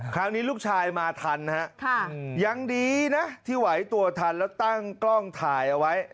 คราวนี้ลูกชายมาทันฮะยังดีนะที่ไหวตัวทันแล้วตั้งกล้องถ่ายเอาไว้